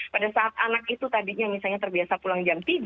pada saat anak itu tadinya misalnya terbiasa pulang jam tiga